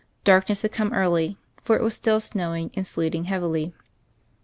Darkness had come early; for it was still snow ing and sleeting heavily.